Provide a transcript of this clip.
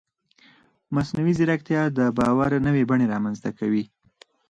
مصنوعي ځیرکتیا د باور نوې بڼې رامنځته کوي.